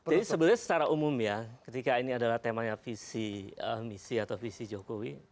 jadi sebenarnya secara umum ya ketika ini adalah temanya visi misi atau visi jokowi